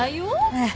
ええ。